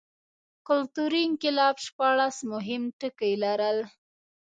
کلتوري انقلاب شپاړس مهم ټکي لرل.